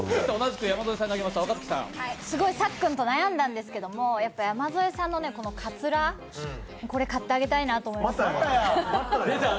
すごいさっくんと悩んだんですけど、山添さんのかつら、これ買ってあげたいなと思いましたね。